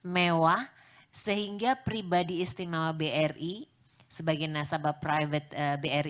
mewah sehingga pribadi istimewa bri sebagai nasabah private bri